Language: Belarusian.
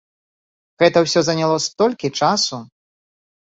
Гэта ўсё заняло столькі часу!